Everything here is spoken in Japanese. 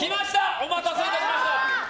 お待たせいたしました。